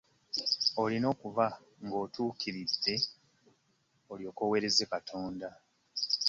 Olina okubanga otukilidde olyoke owereeze katonda.